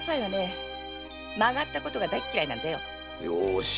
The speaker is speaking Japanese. よし。